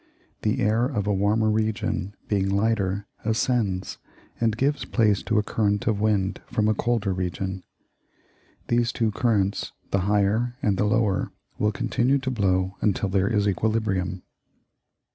The air of a warmer region, being lighter, ascends, and gives place to a current of wind from a colder region. These two currents the higher and the lower will continue to blow until there is equilibrium.